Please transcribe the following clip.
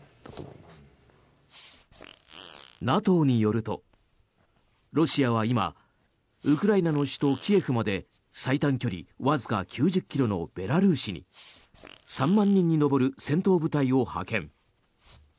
ＮＡＴＯによるとロシアは今ウクライナの首都キエフまで最短距離わずか９０ｋｍのベラルーシに３万人に上る戦闘部隊を派遣。